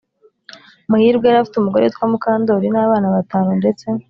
muhirwa yari afite umugore witwa mukandori n'abana batanu ndetse